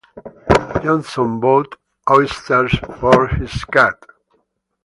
Johnson bought oysters for his cat.